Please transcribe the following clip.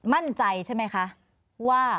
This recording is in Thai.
มั่นใจใช่ไหมคะว่า